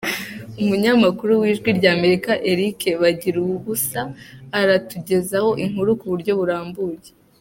Umunyamakuru w’Ijwi ry’Amerika Eric Bagiruwubusa aratugezaho inkuru ku buryo burambuye.